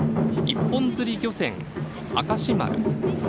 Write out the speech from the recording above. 一本釣り漁船「明石丸」